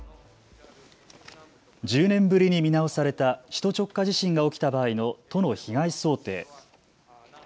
１０年ぶりに見直された首都直下地震が起きた場合の都の被害想定。